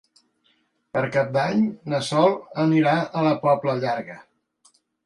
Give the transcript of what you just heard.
Per Cap d'Any na Sol anirà a la Pobla Llarga.